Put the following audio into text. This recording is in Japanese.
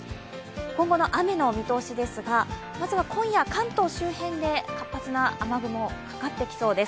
今後の雨の見通しですが、まずは今夜関東周辺で活発な雨雲かかってきそうです。